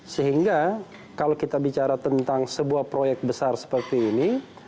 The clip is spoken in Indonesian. sehingga kalau kita bicara tentang sebuah proyek besar seperti ini